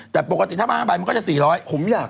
แต่ปกติถ้ามั้งมันก็จะ๔๐๐